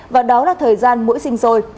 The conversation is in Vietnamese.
và đó là thời gian mỗi sinh sôi